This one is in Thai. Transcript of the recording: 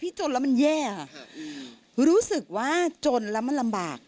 จนแล้วมันแย่ค่ะรู้สึกว่าจนแล้วมันลำบาก